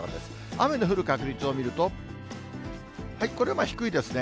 雨の降る確率を見ると、これまあ低いですね。